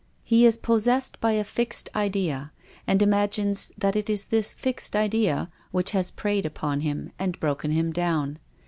He is possessed by a fixed idea, and imagines that it is this fixed idea which has preyed upon him and broken him down.